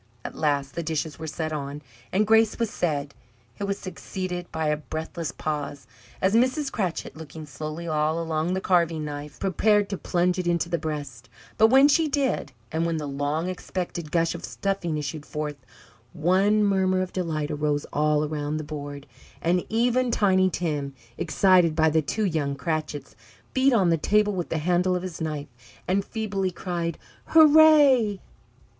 At last the dishes were set on and grace was said. It was succeeded by a breathless pause, as Mrs. Cratchit, looking slowly all along the carving knife, prepared to plunge it into the breast; but when she did, and when the long expected gush of stuffing issued forth, one murmur of delight arose all round the board, and even Tiny Tim, excited by the two young Cratchits, beat on the table with the handle of his knife, and feebly cried, "Hurrah!"